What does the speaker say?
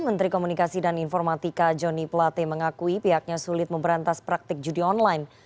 menteri komunikasi dan informatika joni plate mengakui pihaknya sulit memberantas praktik judi online